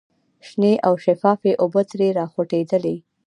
شنې او شفافې اوبه ترې را خوټکېدلې.